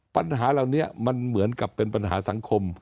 ปัญหาเหล่านี้มันเหมือนกับเป็นปัญหาสังคม